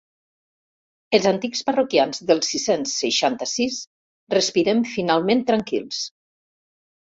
Els antics parroquians del sis-cents seixanta-sis respirem finalment tranquils.